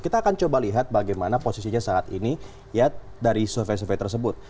kita akan coba lihat bagaimana posisinya saat ini ya dari survei survei tersebut